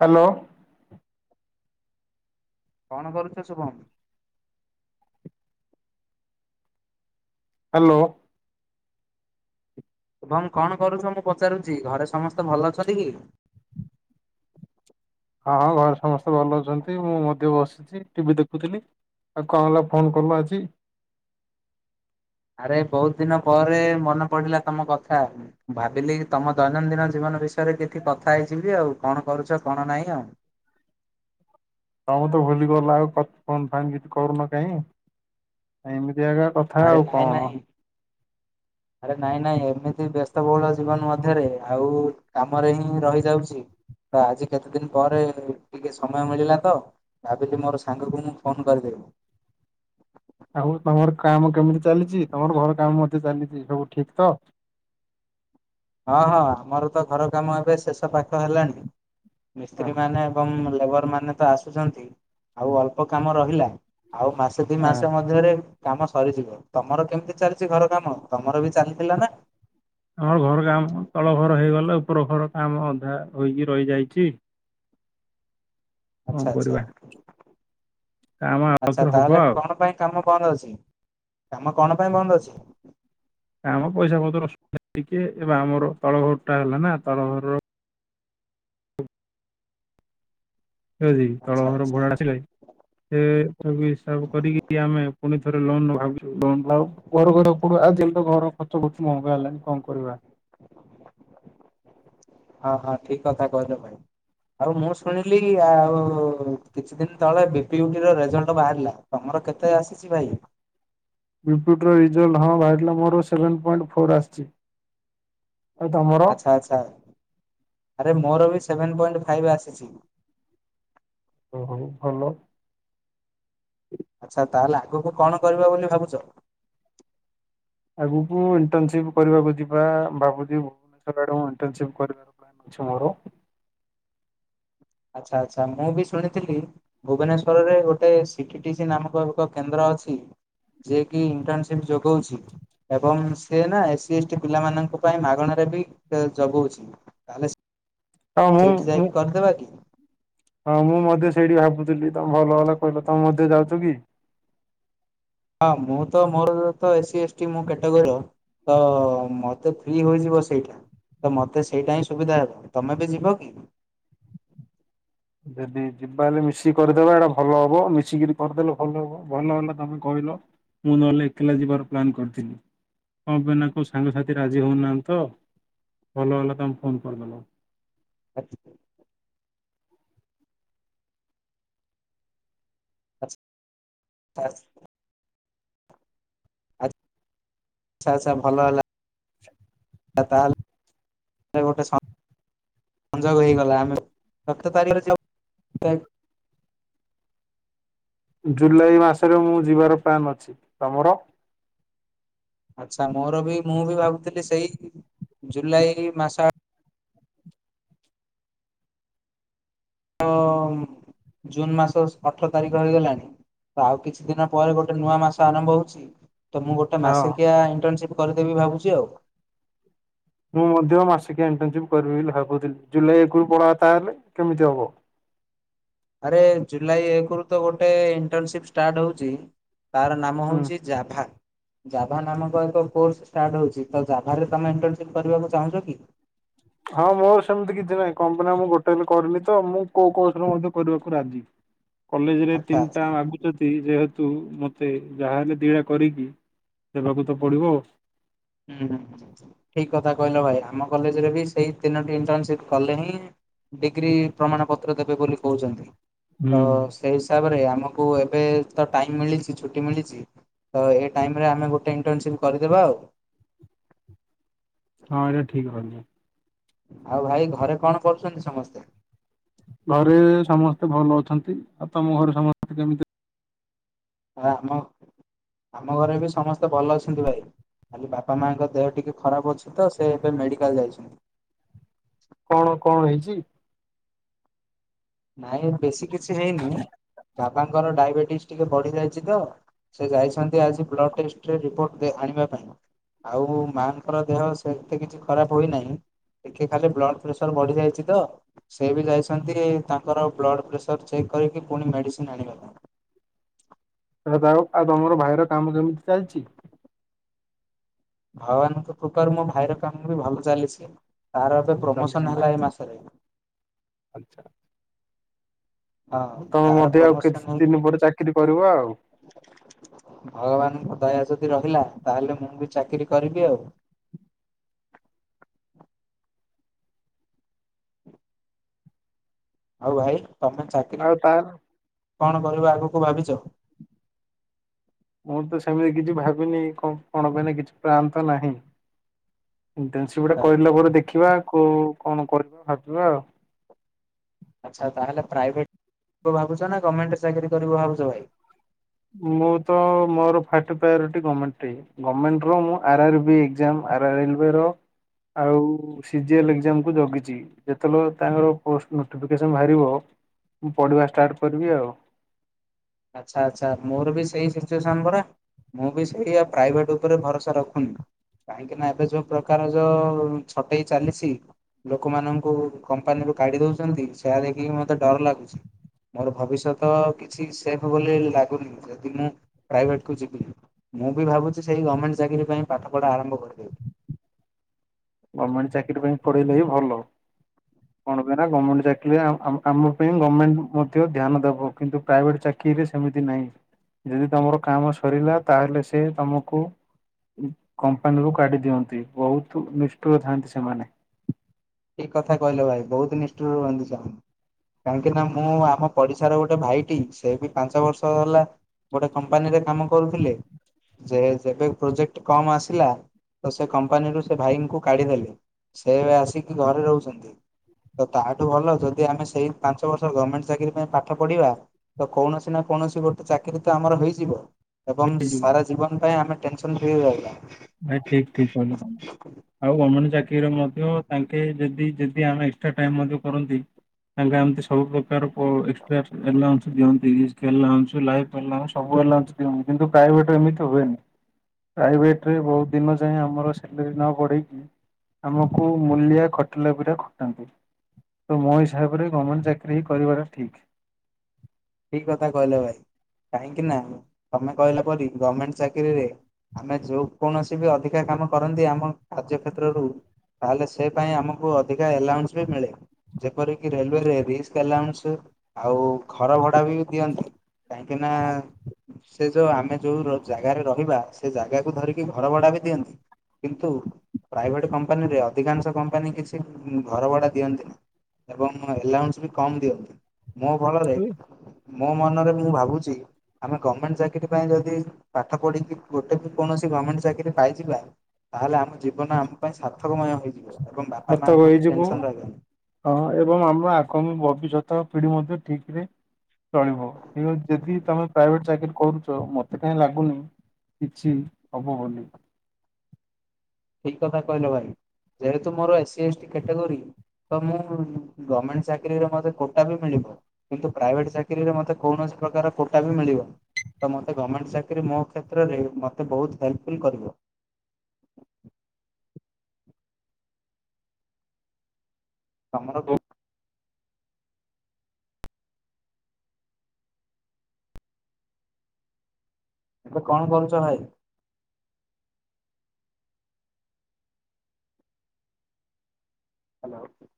Hello. କଣ କରୁଛ Shubham? Hello. କଣ କରୁଛ ମୁଁ ପଚାରୁଛି ଘରେ ସମସ୍ତେ ଭଲ ଅଛନ୍ତି କି? ହଁ ହଁ ଘରେ ସମସ୍ତେ ଭଲ ଅଛନ୍ତି ମୁଁ ମଧ୍ୟ ବସିଛି ଟିଭିି ଦେଖୁଥିଲି। ଆଉ କଣ ହେଲା ଫୋନ କଲ ଆଜି? ଆରେ ବହୁତ ଦୀନ ପରେ ମନେ ପଡିଲା ତମ କଥା। ଭାବିଲି ତମ ଦୈନନ୍ଦିନ ଜୀବନ ବିଷୟରେ କିଛି କଥା ହେଇଯିବି ଆଉ କଣ କରୁଛ କଣ ନାହିଁ ଆଉ। ତମେ ତ ଭୁଲି ଗଲା ଆଉ ଫୋନ ଫାନ୍ କିଛି କରୁନ କାହିଁ ଏମିତି ଏକା କଥା ଆରେ ଆଉ ନାହିଁ କଣ ନାହିଁ। ଆରେ ନାହିଁ ନାହିଁ ଏମିତି ବ୍ୟସ୍ତ ବହୁଳ ଜୀବନ ମଧ୍ୟରେ ଆଉ କାମରେ ହିଁ ରହିଯାଉଛି। ତ ଆଜି କେତେ ଦୀନ ପରେ ଟିକେ ସମୟ ମିଳିଲା ତ। ଭାବିଲି ମୋର ସାଙ୍ଗକୁ ମୁଁ ଫୋନ୍ କରିଦେବି। ଆଉ ତମର କାମ କେମିତି ଚାଲିଛି ତମର ଘର କାମ ମଧ୍ୟ ଚାଲିଛି ସବୁ ଠିକ ତ? ହଁ ହଁ ଆମର ତ ଘର କାମ ଏବେ ଶେଷ ପାଖ ହେଲାଣି ମିସ୍ତ୍ରୀ ହଁ। ମାନେ କମ ଲେବର ମାନେ ତ ଆସିଛନ୍ତି ଆଉ ଅଳ୍ପ କାମ ରହିଲା ଆଉ ମା ଦି ମାସ ମଧ୍ୟରେ କାମ ସରିଯିବ ତମର କେମିତି ଚାଲିଛି ଘର କାମ ତମର ବି ଚାଲିଥିଲା ନା? ଆମର ଘର କାମ ତଳ ଘର ହେଇଗଲେ ଉପର ଘର କାମ ଅଧା ହୋଇକି ରହିଯାଇଛି। କଣ ଆଚ୍ଛା ଆଚ୍ଛା କରିବା କାମ ଆଚ୍ଛା ଆଉଥରେ ହବ ତାହେଲେ ଆଉ କଣ ପାଇଁ କାମ ବନ୍ଦ ଅଛି କାମ କଣ ପାଇଁ ବନ୍ଦ ଅଛି? ଆମ ପଇସା ପତ୍ର ଟିକେ ଏବେ ଆମର ତଳ ଘର ଟା ହେଲା ନା ତଳ ଘରର ଆଚ୍ଛା ତଳର ଆଚ୍ଛା ଭୁଟା ଥିଲା ସେ ତା ହିସାବ କରିକି କିଏ ଆମେ ଫୁଣି ଥରେ ଲୋନ ନେବୁ ଭାବିଛୁ ଲୋନଉ ଘର ଘର ପଡୁ ଆଉ ଯେମିତି ଘର ଖର୍ଚ୍ଚ ବହୁତ ମଙ୍ଗା ହେଲାଣି କଣ କରିବା। ହଁ ହଁ ଠିକ କଥା କହିଲ ଭାଇ। ଆଉ ମୁଁ ଶୁଣିଲି ଆଉ କିଛି ଦିନ ତଳେ ବିପିୟଟି ର ରେଜଲ୍ଟ ବାହାରିଲା। ତମର କେତେ ଆସିଛି ଭାଇ? ରିପ୍ୟୁଟର ରିଜଲ୍ଟ ହଁ ବାହାରିଲା ମୋର ସେଭେନ୍ ପଏଣ୍ଟ ଫୋର୍ ଆସିଛି। ଆଉ ତମର? ଆଚ୍ଛା ଆଚ୍ଛା ଆରେ ମୋର ବି ସେଭେନ୍ ପଏଣ୍ଟ ଫାଇଭ୍ ଆସିଛି। ହୋଉ ଭଲ। ହଁ ଆଚ୍ଛା ତାହେଲେ ଆଗକୁ କଣ କରିବ ବୋଲି ଭାବୁଛ? ଆଗକୁ ଇଣ୍ଟର୍ନସିପ୍ କରିବାକୁ ଯିବା ଭାବୁଛି ଭୁବନେଶ୍ୱର ଆଡକୁ ଇଣ୍ଟସି କରିବାର। ମର ଆଚ୍ଛା ଆଚ୍ଛା ମୁଁ ବି ଶୁଣିଥିଲି। ଭୁବନେଶ୍ଵରରେ ଗୋଟେ ସି ଟି ସି ନାମକ ଏକ କେନ୍ଦ୍ର ଅଛି। ଯିଏ କି ଇଣ୍ଟର୍ନସିପ ଯୋଗଉଛି ଏବଂ ସେ ନା ଏସ ସ ଟି ଟି ପିଲାମାନଙ୍କ ପାଇଁ ମାଗଣାାରେ ବି ଜଗଉଛି ତାହେଲେ। ଆଉ ମୁଁ ସେଇଠି ମୁଁ ଯାଇକି କରିଦବା କି? ହଁ ମୁଁ ମଧ୍ୟ ସେଇଠି ଭାବୁଥିଲି ତମେ ଭଲ ହେଲା କହିଲ ତମେ ମଧ୍ୟ ଯାଉଛ କି? ହଁ ମୁଁ ତ ମୋର ତ ଏସ୍ ସି ଏସ୍ ଟି ମୋ କ୍ୟାଟାଗୋରୀର। ତ ମତେ ଫ୍ରି ହୋଇଯିବ ସେଇଟୁ। ତ ମତେ ସେଇଟା ହିଁ ସୁବିଧା ହେବନି ତମେ ବି ଯିବ କି? ଯଦି ଯିବା ହେଲେ ମିଶିକି କରିଦବା ଏଇଟା ଭଲ ହବ ମିଶିକିରି କରିଦେଲେ ଭଲ ହବ ଭଲ ହେଲେ ତମେ କହିଲ। ମୁଁ ନହେଲେ ଏକଲା ଯିବାର ପ୍ଲାନ୍ କରିଥିଲି। କଣ ବିନା କୋଉ ସାଙ୍ଗସାଥି ରାଜି ହଉନାହାନ୍ତି ତ ଭଲ ହେଲା ତମେ ଫୋନ କରିଦେଲ। ଆଚ୍ଛ। ଆଛା ଆଚ। ଆ ଆଚ୍ଛା ଆଚ୍ଛା ଭଲ ହେଲା ତାହଲେ ଗୋଟେ ସଂଯୋଗ ହେଇଗଲା ଆମେ ସପ୍ତ ତାରିଖ [unintelligible] ଜୁଲାଇ ମାସରେ ମୁଁ ଯିବାର ପ୍ଲାନ୍ ଅଛି ତମର। ଆଚ୍ଛା ମୋର ବି ମୁଁ ବି ଭାବୁଥିଲି ସେଇ ଜୁଲାଇ ମାସ। ତ ଜୁନ୍ ମାସ ଅଠର ତାରିଖ ହେଇଗଲାଣି। ତ ଆଉ କିଛି ଦିନ ପରେ ଗୋଟେ ନୂଆ ମାସ ଆରମ୍ଭ ହଉଛି। ତ ମୁଁ ଗୋଟେ ହଁ ମାସିକିଆ ଇଣ୍ଟରନସିପ୍ କରିଦେବି ଭାବୁଛି ଆଉ। ମୁଁ ମଧ୍ୟ ମାସିକଆ ଇଣ୍ଟରନସିପ କରିବି ବୋଲି ଭାବୁଥିଲି ଜୁଲାଇ ଏକରୁ ପଳେଇବା ତାହେଲେ କେମିତି ହବ। ଆରେ ଜୁଲାଇ ଏକ ରୁ ତ ଗୋଟେ ଇଣ୍ଟରନସିପ ଷ୍ଟାର୍ଟ ହଉଛି ତାର ନାମ ହୁଁ ହଉଛି। ଯାଭା। ଜାଭା ନାମକ ଏକ କୋର୍ସ ଷ୍ଟାର୍ଟ ହଉଛି ତ ଜାଭା ରେ ତମେ ଇଣ୍ଟର୍ନସିପ୍ କରିବାକୁ ଚାହୁଁଛ କି। ହଁ ମୋର ସେମିତି କିଛି ନାହିଁ କମ୍ପାନି ଆମ କୁ ଗୋଟେ ହେଲେ କରିଲେତ ତ ମୁଁ କୋଉ କୋଉ କୋଉ ଥିରେ ମଧ୍ୟ କରିବାକୁ ରାଜି। କଲେଜ ରେ ଆଚ୍ଛା ତିନିଟା ଆଚ୍ଛା। ମାଗୁଛନ୍ତି ଯେହେତୁ ମତେ ଯାହା ହେଲେ ଦିଟା କରିକି। ଦେବାକୁ ତ ପଡିବ। ହୁଁ ହୁଁ ହୁଁ ଠିକ କଥା କହିଲ ଭାଇ ଆମ କଲେଜରେ ବି ସେଇ ତିନୋଟି ଇଣ୍ଟରନସିପ କଲେ ହିଁ। ଡିଗ୍ରୀ ପ୍ରମାଣ ପତ୍ର ଦେବେ ବୋଲି କହୁଛନ୍ତି ତ। ସେଇ ହିସାବରେ ଆମକୁ ଏବେ ତ ଟାଇମ ମିଳିଛି ଛୁଟି ମିଳିଛି। ତ ଏଇ ଟାଇମ ରେ ଆମେ ଗୋଟେ ଇଣ୍ଟର୍ନସିପ୍ କରିଦେବା ଆଉ। ହଁ ଏଇଟା ଠିକ୍ ରହିଛି। ଆଉ ଭାଇ ଘରେ କଣ କରୁଛନ୍ତି ସମସ୍ତେ। ଘରେ ସମସ୍ତେ ଭଲ ଅଛନ୍ତି ଆଉ ତମ ଘରେ ସମସ୍ତେ କେମିତି? ଆମ ଆମ ଘରେ ବି ସମସ୍ତେ ଭଲ ଅଛନ୍ତି ଭାଇ। ଖାଲି ବାପା ମାଙ୍କ ଦେହ ଟିକେ ଖରାପ ଅଛି ତ ସେ ଏବେ ମେଡ଼ିକାଲ ଯାଇଛନ୍ତି। କଣ କଁ ହେଇଛି। ନାଇଁ ବେଶୀ କିଛି ହେଇନି ବାବାଙ୍କ ର ଡାଇବେଟିସ ଟିକେ ବଢି ଯାଇଛି ତ। ସେ ଯାଇଛନ୍ତି ଆଜି ବ୍ଲଡ ଟେଷ୍ଟରେ ରିପୋର୍ଟ ଆଣିବା ପାଇଁ। ଆଉ ମାଆଙ୍କର ଦେହ ସେତେ କିଛି ଖରାପ ହୋଇନାହିଁ। ଟିକେ ଖାଲି ବ୍ଲଡ ପ୍ରେସର ବଢିଯାଇଛି ତ।। ସେ ବି ଯାଇଛନ୍ତି ତାଙ୍କର ବ୍ଲଡ଼ ପ୍ରେସର ଚେକ୍ କରିକି ପୁଣି ମେଡ଼ିସିନ ଆଣିବା ପାଇଁ। ହେ ଆଉ ତମର ଭାଇର କାମ କେମିତି ଚାଲିଛି। ଭଗବାନଙ୍କ କୃପାରୁ ମୋ ଭାଇର କାମ ବି ଭଲ ଚାଲିଛି ତାର ଏବେ ଚାଲିଛି ପ୍ରମୋସନ ନା ହେଲା ଏ ମାସରେ। ଆଚ୍ଛା। ହଁ ତମେ ତାର ମଧ୍ୟ ଆଉ ପ୍ରମୋସନ ହେଇ କିଛି ଦିନ ପରେ ଚାକିରି କରିବ ଆଉ। ଭଗବାନଙ୍କ ଦୟା ଯଦି ରହିଲା ତାହେଲେ ମୁଁ ବି ଚାକିରି କରିବି ଆଉ। ଆଉ ଭାଇ ତମେ ଚା ଆଉ ତା କଣ କହିବ ଆଗକୁ ଭାବିଛ। ମୁଁ ତ ସେମିତି କିଛି ଭାବିନି କଁ କଣ ପାଇଁ ନା କିଛି ପ୍ଲାନ୍ ତ ନାହିଁ। ଇଣ୍ଟରନସିପ୍ ଟା କରିଲା ପରେ ଦେଖିବା କୋ କଣ କରିବା ଭାବିବା ଆଉ। ଆଚ୍ଛା ତାହେଲେ ପ୍ରାଇଭେଟ୍ ଭାବୁଛ ନା ଗଭର୍ଣ୍ଣମେଣ୍ଟ ଚାକିରି କରିବ ଭାବୁଛ ଭାଇ। ମୁଁ ତ ମୋର ଫାଟ ପ୍ରାୟୋରିଟି ଗମେଣ୍ଟ ଟି। ଗୋର୍ଣ୍ମେଣ୍ଟ ର ମୁଁ R R B exam R R B railway ର। ଆଉ ସି ଜି ଏ ଲ ଏକ୍ଜାମ କୁ ଜଗିଛି। ଯେତେବେଳେ ତାଙ୍କର ପୋଷ୍ଟ ନୋଟିଫିକେସନ ବାହାରିବ ମୁଁ ପଢିବା ଷ୍ଟାର୍ଟ କରିବି ଆଉ। ଆଚ୍ଛା ଆଛା ମୋର ବି ସେଇ ସିଚୁଏସନ ପରା। ମୁଁ ବି ସେଇଆ ପ୍ରାଇଭେଟ ଉପରେ ଭରସା ରଖୁନି। କାହିଁକି ନା ଏବେ ଯୋଉ ପ୍ରକାର ଯୋଉ ଛଟେଇ ଚାଲିଛି। ଲୋକମାନଙ୍କୁ କମ୍ପାନୀରୁ କାଢ଼ି ଦଉଛନ୍ତି ସେୟା ଦେଖିକି ମତେ ଡର ଲାଗୁଛି। ମୋର ଭବିଷ୍ୟତ କିଛି ସେଫ ବୋଲି ଲାଗୁନି ଯଦି ମୁଁ ପ୍ରାଇଭେଟ କୁ ଯିବି। ମୁଁ ବି ଭାବୁଛି ସେଇ ଗମେଣ୍ଟ ଚାକିରି ପାଇଁ ପାଠ ପଢ଼ା ଆରମ୍ଭ କରିଦେବି। ଗମେଣ୍ଟ ଚାକିରି ପାଇଁ ପ଼ଢ଼ିଲେ ହିଁ ଭଲ। କ ଣ ପାଇଁ ନା ଗମେଣ୍ଟ ଚାକିରି ଆ-ଆମ-ଆମ ପାଇଁ ଗମେଣ୍ଟ ମଧ୍ୟ ଧ୍ୟାନ ଦେବ କିନ୍ତୁ ପ୍ରାଇଭେଟ ଚା ରେ ସେମିତି ନାହିଁ ଯଦି ତମର କାମ ସରିଲା ତାହେଲେ ସେ ତମକୁ ଉଁ କମ୍ପାନୀରୁୁ କାଢି ଦିଅନ୍ତି ବହୁତ ନିଷ୍ଠୁର ଥାଆନ୍ତି ସେମାନେ। ଠିକ କଥା କହିଲ ଭାଇ ବହୁତ ନିଷ୍ଠୁର ହୁଅନ୍ତି ସେମାନେ କାହିଁକି ନା ମୁଁ ଆମ ପଡିଶାର ଗୋଟେ ଭାଇଟି ସେ ବି ପାଞ୍ଚ ବର୍ଷ ହେଲା ଗୋଟେ କମ୍ପାନୀରେ କାମ କରୁଥିଲେ। ଯେ ଯେବେ ପ୍ରୋଜେକ୍ଟ କମ୍ ଆସିଲା ତ ସେ କମ୍ପାନୀରୁୁ ସେ ଭାଇଙ୍କୁ କାଢିଦେଲେ। ସେ ଆସିକି ଘରେ ରହୁଛନ୍ତି। ତ ତାହାଠୁ ଭଲ ଯଦି ଆମେ ସେଇ ପାଞ୍ଚ ବର୍ଷ ଗମେଣ୍ଟ ଚାକିରୀ ପାଇଁ ପାଠ ପଢିବା। ତ କୌଣସି ନା କୌଣସି ଗୋଟେ ଚାକିରୀ ତ ଆମର ହେଇଯିବ। ଏବଂ ସାରା ଜୀବନ ପାଇଁ ଆମେ ଟେନସନ ଫ୍ରି ରେ ରହିବା। ଭାଇ ଠିକ ଠିକ କହିଲ ତମେ। ଆଉ ଗମେଣ୍ଟ ଚାକିରିର ମଧ୍ୟ ତାଙ୍କେ ଯଦି ଯଦି ଆମେ ଏକ୍ସଟ୍ରା ଟାଇମ ମଧ୍ୟ କରନ୍ତି ତାଙ୍କା ଏମତି ସବୁ ପ୍ରକାର ପ [unintelligible] ସବୁ ଅଲାନ୍ସ [unintelligible] କିନ୍ତୁ ପ୍ରାଇଭେଟ ଏମିତି ହୁଏନି ପ୍ରାଇଭେଟ ରେ ବହୁତ ଦିନ ଯାଏଁ ଆମର ସାଲେରୀ ନ ବଢେଇକି ଆମକୁ ମୂଲିଆ ଖଟିଲା ପରି ଖଟାନ୍ତି। ତ ମୋ ହିସାବରେ ଗମେଣ୍ଟ ଚାକିରି ହିଁ କରିବାଟା ଠିକ୍। ଠିକ କଥା କହିଲ ଭାଇ କାହିଁକି ନା ତମେ କହିଲା ପରି ଗମେଣ୍ଟ ଚାକିରିରେ ଆମେ ଯୋଉ କୌଣସି ବି ଅଧିକା କାମ କରନ୍ତି ଆମ କାର୍ଯ୍ୟ କ୍ଷେତ୍ରରୁ ତାହେଲେ ସେ ପାଇଁ ଆମକୁ ଅଧିକା ଏଲାଉନ୍ସ ବି ମିଳେ। ଯେପରିକି ରେଲୱେରେ ରିସ୍କ ଏଲାଉଁଶ ଆଉ ଘର ଭଡା ବି ଦିଅନ୍ତି କାହିଁ ନା ସେ ଯଉ ଆମେ ଯୋଉ ର ଜାଗାରେ ରହିବା ସେ ଜାଗାକୁ ଧରିକି ଘର ଭଡା ବି ଦିଅନ୍ତି। କିନ୍ତୁ ପ୍ରାଇଭେଟ କମ୍ପାନୀରେ ଅଧିକାଂଶ କମ୍ପାନୀ କିଛି ଉଁ ଘର ଭଡା ଦିଅନ୍ତିନି। ଏବଂ ଏଲାଉନ୍ସ ବି କମ ଦିଅନ୍ତି ମୋ ଭଲରେ ମୋ ମନରେ ବି ମୁଁ ଭାବୁଛି ଆମେ ଗମେଣ୍ଟ ଚାକିରି ପାଇଁ ଯଦି ପାଠ ପଢ଼ିକି ଗୋଟେ ବି କୌଣସି ଗମେଣ୍ଟ ଚାକିରି ପାଇଯିବା ତାହେଲେ ଆମ ଜୀବନ ଆମ ପାଇଁ ସାର୍ଥକମୟ ହେଇଯିବ ଏବଂ ବାପା ସତକ ମାଙ୍କୁ ବି ହେଇଯିବ ଟେନସନ ରହିବନି। ହଁ ଏବଂ ଆମର ଆଗାମୀ ଭବିଷ୍ୟତ ପିଢ଼ି ମଧ୍ୟ ଠିକରେ ଚଳିବ ଯଦି ତମେ ପ୍ରାଇଭେଟ ଚାକିରୀ କରୁଛ ମତ ମତେ କାଇଁ ଲାଗୁନି କିଛି ହବ ବୋଲି। ଠିକ କଥା କହିଲେ ଭାଇ ଯେହେତୁ ମୋର ଏସି ଏସ୍ଟି କାଟଗାରୀ ତ ମୁଁ ଗର୍ମେଣ୍ଟ ଚାକିରୀରେ ମତେ କୋଟା ବି ମିଳିବ କିନ୍ତୁ ପ୍ରାଇଭେଟ ଚାକିରିରେ ମତେ କୌଣସି ପ୍ରକାର କୋଟା ବି ମିଳିବନି। ତ ମତେ ଗମେଣ୍ଟ ଚାକିରି ମୋ କ୍ଷେତ୍ରରେ ମତେ ବହୁତ ହେଲ୍ପଫୁଲ୍ କରିବ। ତମର ଏବେ କଣ କରୁଛ ଭାଇ? ହ୍ୟାଲୋ।